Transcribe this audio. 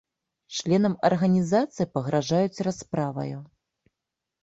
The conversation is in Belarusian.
Членам арганізацыі пагражаюць расправаю.